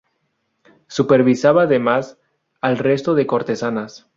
Supervisaba, además, al resto de cortesanas.